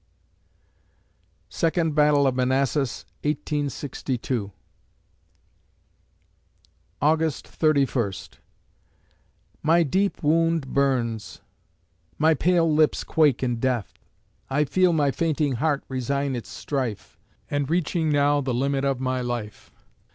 B. Second Battle of Manassas, 1862 August Thirty First My deep wound burns, my pale lips quake in death, I feel my fainting heart resign its strife, And reaching now the limit of my life.